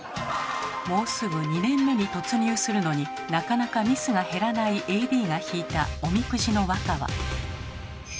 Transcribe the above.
もうすぐ２年目に突入するのになかなかミスが減らないＡＤが引いたおみくじの和歌は。